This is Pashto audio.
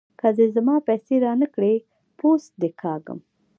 که دې زما پيسې را نه کړې؛ پوست دې کاږم.